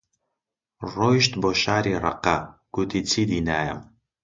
ڕۆیشت بۆ شاری ڕەققە، گوتی چیدی نایەم